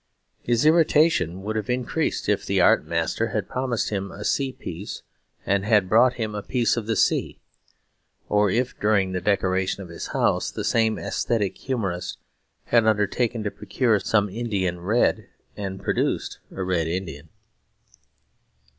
His irritation would have increased if the Art Master had promised him a sea piece and had brought him a piece of the sea; or if, during the decoration of his house, the same aesthetic humourist had undertaken to procure some Indian Red and had produced a Red Indian.